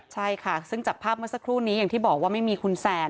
ใช่ค่ะซึ่งจากภาพเมื่อสักครู่นี้อย่างที่บอกว่าไม่มีคุณแซน